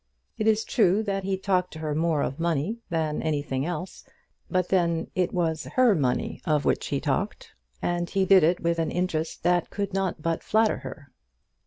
It is true that he talked to her more of money than anything else; but then it was her money of which he talked, and he did it with an interest that could not but flatter her.